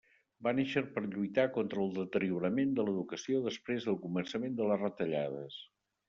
Va néixer per lluitar contra el deteriorament de l'educació després del començament de les retallades.